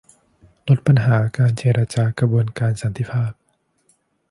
ลดปัญหาการเจรจากระบวนการสันติภาพ